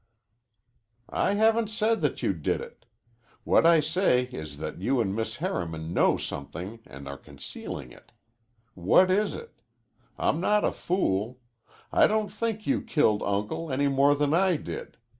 "I haven't said you did it. What I say is that you and Miss Harriman know somethin' an' are concealin' it. What is it? I'm not a fool. I don't think you killed Uncle any more than I did.